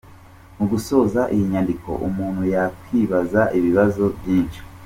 Mu gusoza iyi nyandiko umuntu yakwibaza ibibazo byinshi: